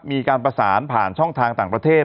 มีการประสานผ่านช่องทางต่างประเทศ